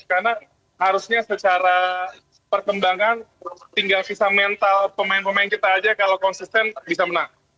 karena harusnya secara perkembangan tinggal sisa mental pemain pemain kita aja kalau konsisten bisa menang